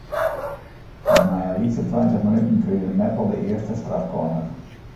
Pas nei in lytse tweintich minuten krige Meppel de earste strafkorner.